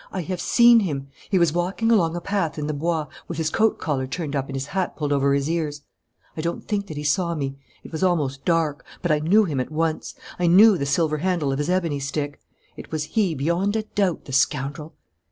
I have seen him! He was walking along a path in the Bois, with his coat collar turned up and his hat pulled over his ears. I don't think that he saw me. It was almost dark. But I knew him at once. I knew the silver handle of his ebony stick. It was he beyond a doubt, the scoundrel!